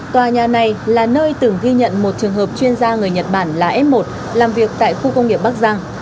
tòa nhà này là nơi từng ghi nhận một trường hợp chuyên gia người nhật bản là f một làm việc tại khu công nghiệp bắc giang